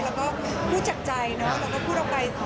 เราก็พูดจากใจเนอะเราก็พูดออกไป